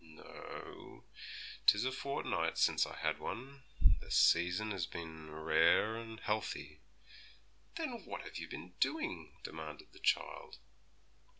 'No; 'tis a fortnight since I had one: the season has bin rare and healthy.' 'Then what have you been doing?' demanded the child.